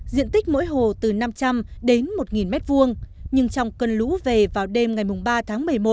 diện tích mỗi hồ từ năm trăm linh đến một m hai nhưng trong cơn lũ về vào đêm ngày ba tháng một mươi một